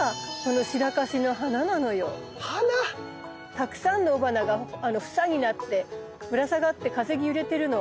たくさんの雄花が房になってぶら下がって風に揺れてるの。